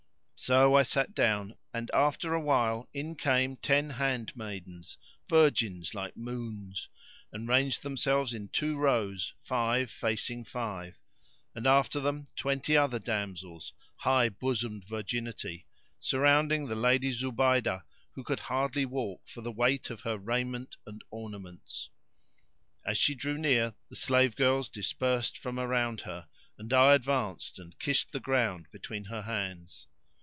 So I sat down and, after a while, in came ten hand maidens, virgins like moons, and ranged themselves in two rows, five facing five; and after them twenty other damsels, high bosomed virginity, surrounding the Lady Zubaydah who could hardly walk for the weight of her raiment and ornaments. As she drew near, the slave girls dispersed from around her, and I advanced and kissed the ground between her hands.